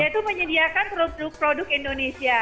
dia itu menyediakan produk produk indonesia